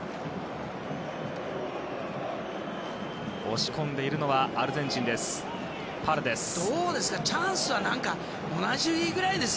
押し込んでいるのはアルゼンチンです。